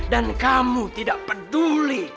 dan kamu tidak peduli